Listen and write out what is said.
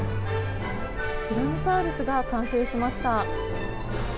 ティラノサウルスが完成しま